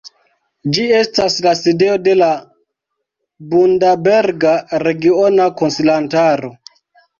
Ĝi estas la sidejo de la Bundaberga Regiona Konsilantaro.